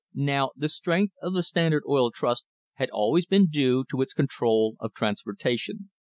Now, the strength of the Standard Oil Trust had always been due to its control of transportation.